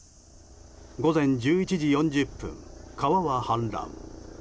午前１１時４０分、川は氾濫。